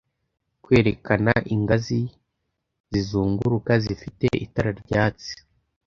kwerekana ingazi zizunguruka zifite itara ryatsi